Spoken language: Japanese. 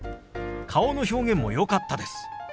顔の表現もよかったです。